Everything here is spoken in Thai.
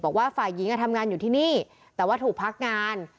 บอกว่าฝ่ายหญิงทำงานอยู่ที่นี่แต่ว่าถูกพักงาน